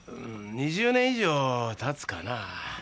２０年以上経つかな。